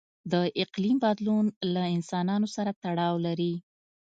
د اقلیم بدلون له انسانانو سره تړاو لري.